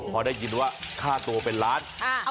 พอได้ยินว่าค่าตัวเป็นล้าน